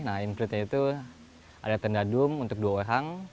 nah include nya itu ada tenda dum untuk dua wehang